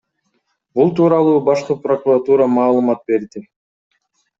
Бул тууралуу башкы прокуратура маалымат берди.